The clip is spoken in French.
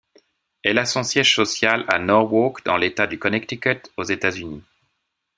Elle a son siège social à Norwalk dans l'État du Connecticut aux États-Unis.